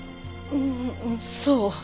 うんそう。